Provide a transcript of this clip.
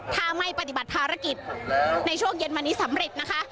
ถ้าไม่ปฏิบัติภารกิจในช่วงเย็นวันนี้สำเร็จนะคะ